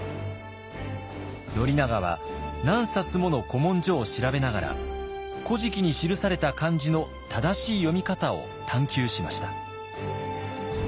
宣長は何冊もの古文書を調べながら「古事記」に記された漢字の正しい読み方を探究しました。